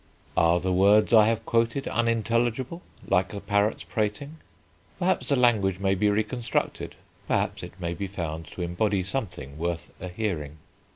Are the words I have quoted unintelligible, like the parrot's prating? Perhaps the language may be reconstructed; perhaps it may be found to embody something worth a hearing.